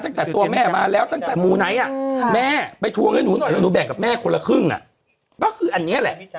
ตั้งแต่ตัวแม่มาแล้วตั้งแต่มูนไนท์เธอนุงนี่หน่อยก็หนูแบ่งกับแม่คนละครึ่งคืออันเนี่ยแหละ